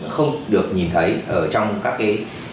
không được nhìn thấy ở trong các cái